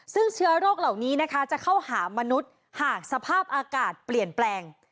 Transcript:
ซึ่งเชื้อโรคเหล่านี้นะคะจะเข้าหามนุษย์หากสภาพอากาศเปลี่ยนแปลง